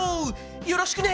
よろしくね！